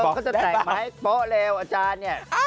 ตรงนั้นเค้าจะแต่งไม้โป๊ะแล้วอาจารย์